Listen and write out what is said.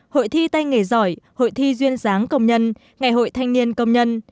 hội thi tay nghề giỏi hội thi duyên dáng công nhân ngày hội thanh niên công nhân